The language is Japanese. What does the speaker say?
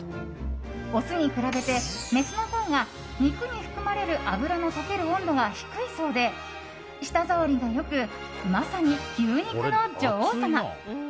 オスに比べてメスのほうが肉に含まれる脂の溶ける温度が低いそうで、舌触りが良くまさに牛肉の女王様。